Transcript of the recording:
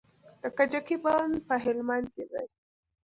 د کجکي بند په هلمند کې دی